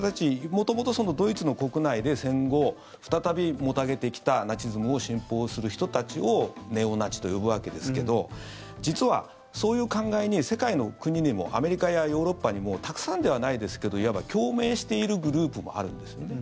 元々、ドイツの国内で戦後、再びもたげてきたナチズムを信奉する人たちをネオナチと呼ぶわけですけど実はそういう考えに世界の国にもアメリカやヨーロッパにもたくさんではないですけどいわば共鳴しているグループもあるんですよね。